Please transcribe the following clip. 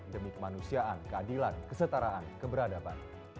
demi kemanusiaan keadilan kesetaraan keberadaban